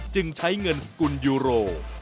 จึงใช้เงินสกุลยูโร